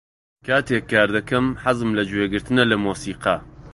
کاتێک کار دەکەم، حەزم لە گوێگرتنە لە مۆسیقا.